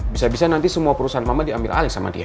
bisa bisa nanti semua perusahaan mama diambil alih sama dia